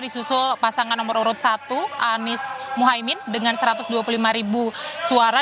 di susul pasangan nomor urut satu anies muhaimin dengan satu ratus dua puluh lima suara